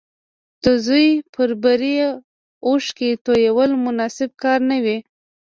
د زوی پر بري اوښکې تويول مناسب کار نه و